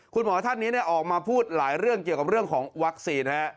คุณหมอท่านนี้ออกมาพูดหลายเรื่องเกี่ยวกับเรื่องของวัคซีน